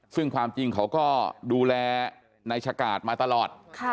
ซึ่งความจริงเขาก็ดูแลนายชะกาดมาตลอด